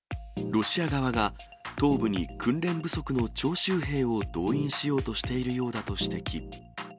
ロシア側が、東部に訓練不足の徴集兵を動員しようとしているようだと指摘。